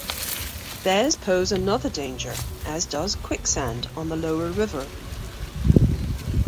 Bears pose another danger, as does quicksand on the lower river.